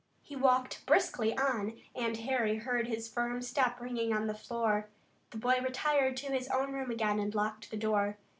He walked briskly on and Harry heard his firm step ringing on the floor. The boy retired to his own room again and locked the door.